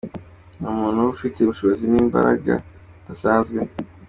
Ni umuntu uba ufite ubushobozi n’imbara zidasanzwe.